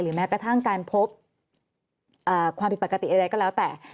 แม้กระทั่งการพบความผิดปกติใดก็แล้วแต่